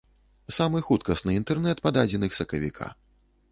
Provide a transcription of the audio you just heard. Самы хуткасны інтэрнэт па дадзеных сакавіка.